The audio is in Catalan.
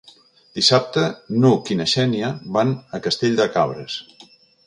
Dissabte n'Hug i na Xènia van a Castell de Cabres.